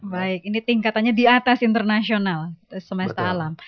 baik ini tingkatannya di atas internasional semesta alam